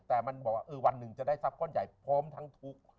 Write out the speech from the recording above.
แต่มันบอกว่าวันหนึ่งจะได้ทรัพย์ก้อนใหญ่พร้อมทั้งทุกข์